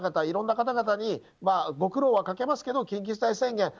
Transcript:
いろんな方々にご苦労はかけますけど緊急事態宣言